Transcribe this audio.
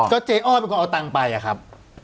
ก็เจ๊อ้อยเป็นคนเอาตังค์ไปอะครับ